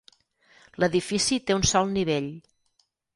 L'edifici té un sol nivell.